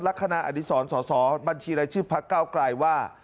ละคราอดิสรสสบัญชีรายชื่อพรรคเก้าไกรว่า